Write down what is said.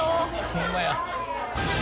ホンマや。